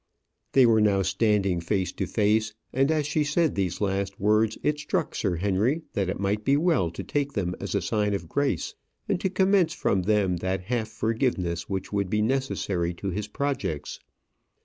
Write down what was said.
They were now standing face to face; and as she said these last words, it struck Sir Henry that it might be well to take them as a sign of grace, and to commence from them that half forgiveness which would be necessary to his projects.